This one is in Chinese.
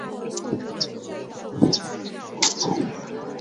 纽卡斯尔联和米德尔斯堡获得第一轮轮空。